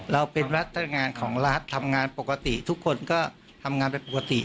เราเป็นรัฐงานของรัฐทำงานปกติทุกคนก็ทำงานเป็นปกติ